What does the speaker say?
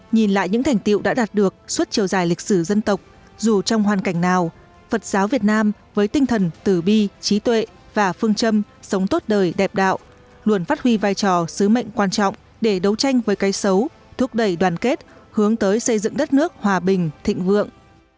nhìn lại những thành tiệu đã đạt được suốt chiều dài lịch sử dân tộc dù trong hoàn cảnh nào phật giáo việt nam với tinh thần tử bi trí tuệ và phương châm sống tốt đời đẹp đạo luôn phát huy vai trò sứ mệnh quan trọng để đấu tranh với cây xấu thúc đẩy đoàn kết hướng tới xây dựng đất nước hòa bình thịnh vượng